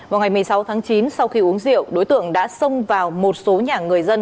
vào ngày một mươi sáu tháng chín sau khi uống rượu đối tượng đã xông vào một số nhà người dân